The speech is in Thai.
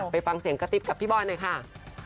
ไปฟังเสียงกระติ๊บกับพี่บอยหน่อยค่ะ